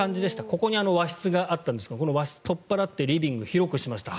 ここに和室があったんですがこの和室を取っ払ってリビングを広くしました。